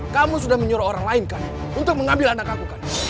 kamu sudah menyuruh orang lain kan untuk mengambil anak aku kan